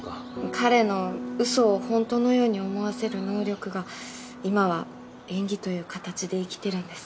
彼のウソを本当のように思わせる能力が今は演技という形で生きてるんです。